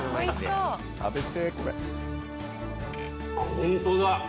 ホントだ！